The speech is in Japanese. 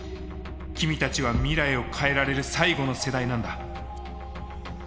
君たちは未来を変えられる最後の世代なんだ。